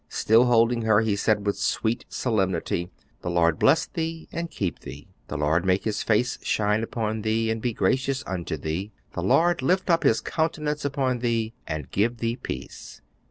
Still holding her, he said with sweet solemnity, "'The Lord bless thee and keep thee. "'The Lord make his face to shine upon thee, and be gracious unto thee. "'The Lord lift up his countenance upon thee, and give thee peace.